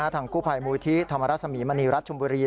ทางกู้ภัยมูลที่ธรรมรสมีมณีรัฐชมบุรี